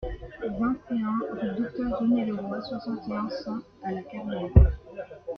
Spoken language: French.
vingt et un rue Docteur René Leroy, soixante et un, cent à La Carneille